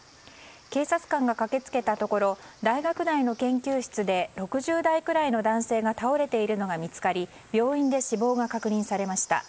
警察官が駆け付けたところ大学内の研究室で６０代くらいの男性が倒れているのが見つかり病院で死亡が確認されました。